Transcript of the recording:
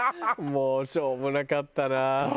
もうしょうもなかったな。